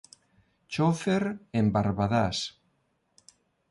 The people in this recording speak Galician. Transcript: Chofer en Barbadás.